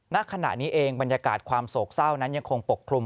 ณขณะนี้เองบรรยากาศความโศกเศร้านั้นยังคงปกคลุม